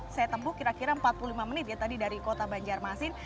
saya tempuh kira kira empat puluh lima menit ya tadi dari kota banjarmasin